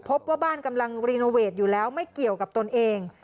พบว่าบ้านกำลังรีโนเวทอยู่แล้วไม่เกี่ยวกับตนเอง